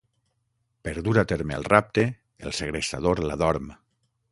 Per dur a terme el rapte, el segrestador l'adorm.